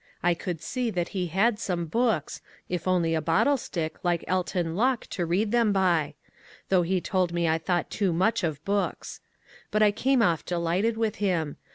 ... I could see that he had some books, if only a bottle stick like Alton Locke to read them by; though he told me I thought too much of books. But I came off delighted with him.